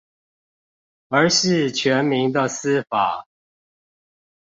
而是全民的司法